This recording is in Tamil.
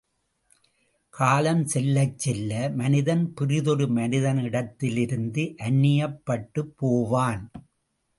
காலம் செல்லச் செல்ல மனிதன், பிறிதொரு மனிதனிடத்திலிருந்து அந்நியப்பட்டுப்போவான்.